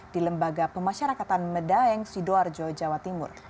di lembaga pemasyarakatan medaeng sidoarjo jawa timur